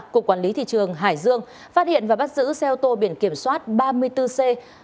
cục quản lý thị trường hải dương phát hiện và bắt giữ xe ô tô biển kiểm soát ba mươi bốn c hai mươi nghìn năm trăm ba mươi một